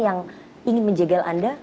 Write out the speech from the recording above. yang ingin menjegal anda